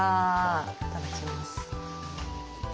いただきます。